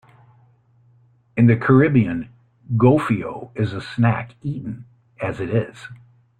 In the Caribbean, gofio is a snack eaten as it is.